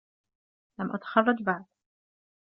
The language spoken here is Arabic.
لم أتخرج بعد.